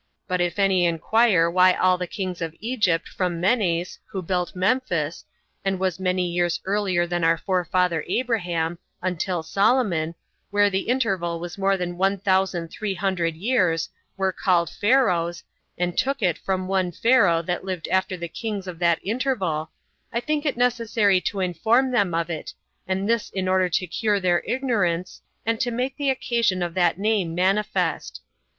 But if any inquire why all the kings of Egypt from Menes, who built Memphis, and was many years earlier than our forefather Abraham, until Solomon, where the interval was more than one thousand three hundred years, were called Pharaohs, and took it from one Pharaoh that lived after the kings of that interval, I think it necessary to inform them of it, and this in order to cure their ignorance, and to make the occasion of that name manifest.